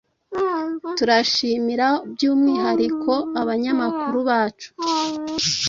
Turashimira by’umwihariko abanyamakuru bacu